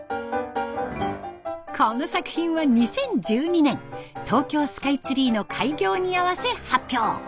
この作品は２０１２年東京スカイツリーの開業に合わせ発表。